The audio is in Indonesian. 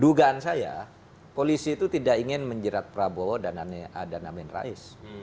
dugaan saya polisi itu tidak ingin menjerat prabowo dan amin rais